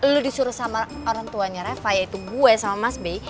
lu disuruh sama orang tuanya reva yaitu gue sama mas bey